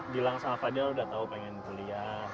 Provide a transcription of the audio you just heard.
gilang sama fadilah udah tahu pengen kuliah